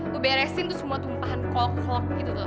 lu beresin tuh semua tumpahan kolok kolok gitu tuh